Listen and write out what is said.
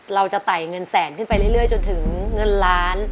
ไต่เงินแสนขึ้นไปเรื่อยจนถึงเงินล้าน